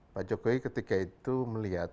pak jokowi ketika itu melihat